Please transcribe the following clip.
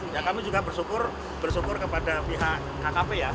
ya kami juga bersyukur kepada pihak kkp ya